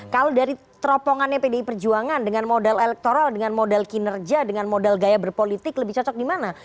kalau dari teropongannya pdi perjuangan dengan modal elektoral dengan modal kinerja dengan modal gaya berpolitik lebih cocok di mana